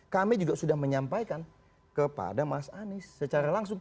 kami juga sudah menyampaikan kepada mas anies secara langsung